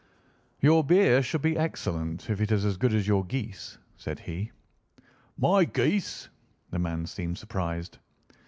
"Your beer should be excellent if it is as good as your geese," said he. "My geese!" The man seemed surprised.